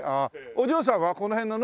お嬢さんはこの辺の農家の方？